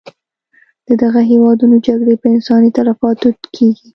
د دغه هېوادونو جګړې پر انساني تلفاتو کېږي.